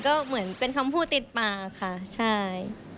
ก็เหมือนเป็นคำพูดติดปากค่ะใช่